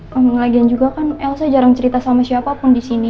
ngomong lagian juga kan elsa jarang cerita sama siapa pun di sini